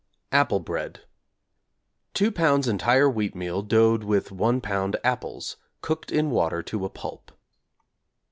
Apple Bread= 2 lbs. entire wheat meal doughed with 1 lb. apples, cooked in water to a pulp.